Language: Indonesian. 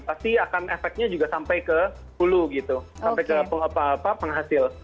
pasti akan efeknya juga sampai ke hulu gitu sampai ke penghasil